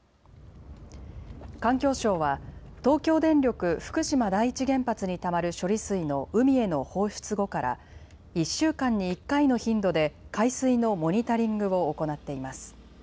環境省は東京電力福島第一原発にたまる処理水の海への放出後から１週間に１回の頻度で海水のモニタリングを行っています。